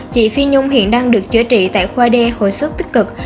chị phi nhung hiện đang được chữa trị tại khoa đê hồi sức tích cực